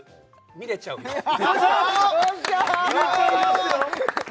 見れちゃいますよ